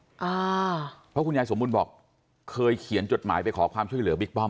อ่าเพราะคุณยายสมบูรณ์บอกเคยเขียนจดหมายไปขอความช่วยเหลือบิ๊กป้อม